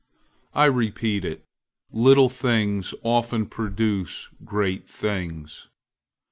I repeat it, little things often produce great things.